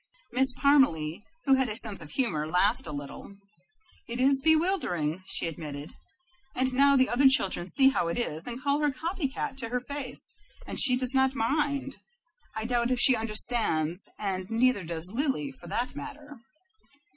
Miss Parmalee, who had a sense of humor, laughed a little. "It is bewildering," she admitted. "And now the other children see how it is, and call her 'Copy Cat' to her face, but she does not mind. I doubt if she understands, and neither does Lily, for that matter.